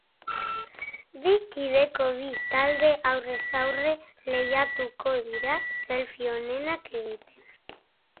Bi kideko bi talde aurrez aurre lehiatuko dira selfie onenak egiten.